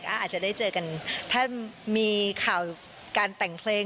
อาจจะได้เจอกันถ้ามีข่าวการแต่งเพลง